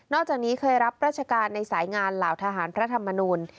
จากนี้เคยรับราชการในสายงานเหล่าทหารพระธรรมนูล